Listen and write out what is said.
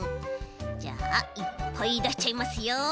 じゃあいっぱいだしちゃいますよ。